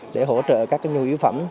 để hỗ trợ các nhu yếu phẩm